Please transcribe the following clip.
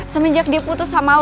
semenjak dia putus sama lo